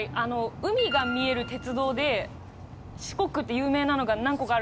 海が見える鉄道で四国って有名なのが何個かあるなと思ったんですよ。